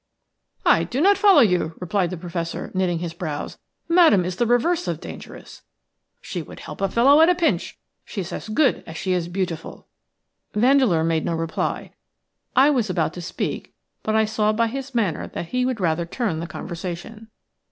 "I do not follow you," replied the Professor, knitting his brows. "Madame is the reverse of dangerous; she would help a fellow at a pinch. She is as good as she is beautiful." Vandeleur made no reply. I was about to speak, but I saw by his manner that he would rather turn the conversation.